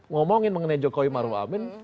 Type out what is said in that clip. ngomongin mengenai jokowi marwati